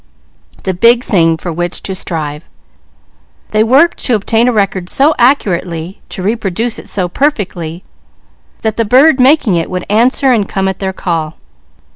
The big thing for which to strive! They worked to obtain a record so accurately, to reproduce it so perfectly that the bird making it would answer and come at their call.